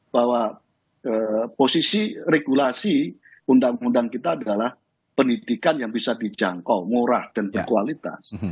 bahwa posisi regulasi undang undang kita adalah pendidikan yang bisa dijangkau murah dan berkualitas